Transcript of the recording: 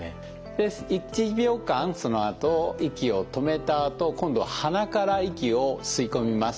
で１秒間そのあと息を止めたあと今度は鼻から息を吸い込みます。